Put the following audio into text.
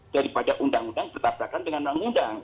daripada undang undang ditetapkan dengan undang undang